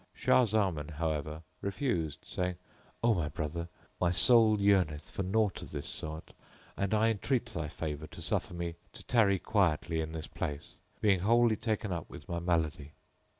Shah Zaman, however, refused, saying, "O my brother, my soul yearneth for naught of this sort and I entreat thy favour to suffer me tarry quietly in this place, being wholly taken up with my malady."